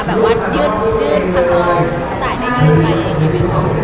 แบบว่ายื่นยื่นคำลองสายได้ยืนไปยังไงบ้าง